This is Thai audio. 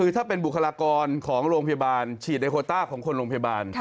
ถ้าเป็นบุคลากรของโรงพยาบาลฉีดในโคต้าของคนโรงพยาบาล